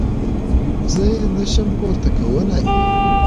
زه يې نه شم پورته کولاى.